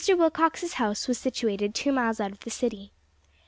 Willcox's house was situated two miles out of the city.